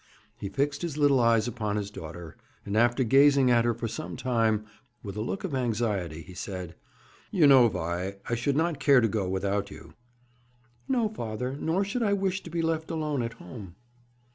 He fixed his little eyes upon his daughter, and, after gazing at her for some time, with a look of anxiety, he said: 'You know, Vi, I should not care to go without you.' 'No, father; nor should I wish to be left alone at home.'